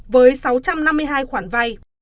với sáu trăm năm mươi hai khoản vay